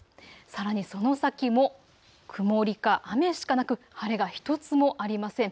さらにその先も曇りか雨しかなく晴れが１つもありません。